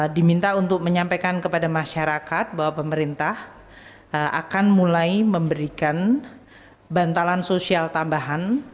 diminta untuk menyampaikan kepada masyarakat bahwa pemerintah akan mulai memberikan bantalan sosial tambahan